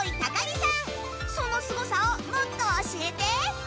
そのすごさをもっと教えて！